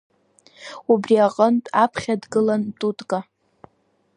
Убри аҟнытә аԥхьа дгылан Тутка.